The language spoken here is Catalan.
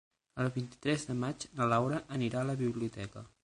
El vint-i-tres de maig na Laura anirà a la biblioteca.